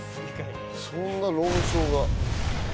そんな論争が？